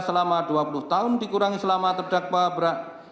selama dua puluh tahun dikurangi selama terdakwa berat